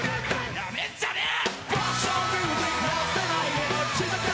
なめんじゃねえ！